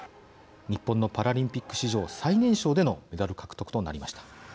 日本のパラリンピック史上最年少でのメダル獲得となりました。